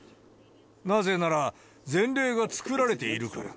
なぜなら、前例が作られているから。